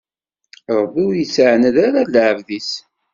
Ṛebbi ur ittɛanad ara lɛebd-is.